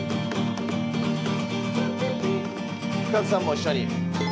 深津さんも一緒に。